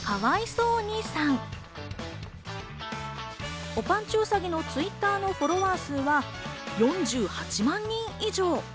うさぎのＴｗｉｔｔｅｒのフォロワー数は４８万人以上。